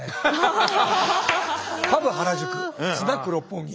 「パブ原宿」「スナック六本木」